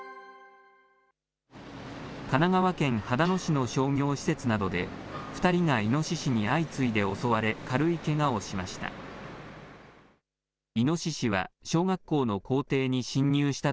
神奈川県秦野市の商業施設などで２人がイノシシに相次いで襲われ、軽いけがをしました。